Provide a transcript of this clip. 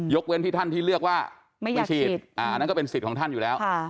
เว้นที่ท่านที่เลือกว่าไม่ฉีดอันนั้นก็เป็นสิทธิ์ของท่านอยู่แล้ว